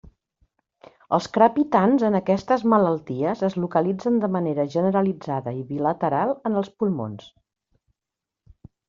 Els crepitants en aquestes malalties es localitzen de manera generalitzada i bilateral en els pulmons.